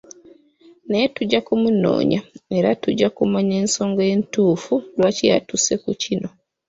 Naye tujja kumunoonya era tujja kumanya ensonga entuufu lwaki yatuuse ku kino.